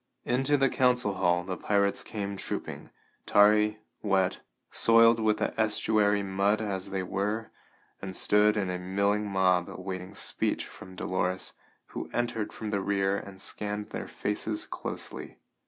Into the council hall the pirates came trooping, tarry, wet, soiled with the estuary mud as they were, and stood in a milling mob awaiting speech from Dolores, who entered from the rear and scanned their faces closely.